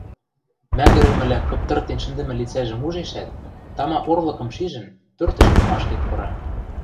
Мӓгӹрӹмӹлӓ кыптыртен шӹндӹмӹ лицӓжӹм ужешӓт, тама орлыкым шижӹн, пӧртӹшкӹ ашкед пыра.